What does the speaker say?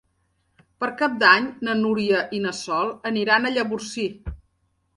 Per Cap d'Any na Núria i na Sol aniran a Llavorsí.